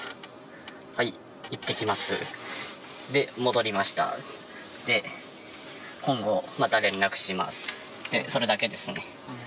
はい、行ってきます、で、戻りましたで今後、また連絡します、それだけですね。